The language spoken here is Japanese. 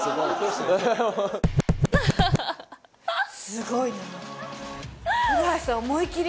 すごいな。